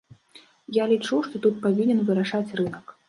Я лічу, што тут павінен вырашаць рынак.